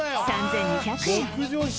３２００円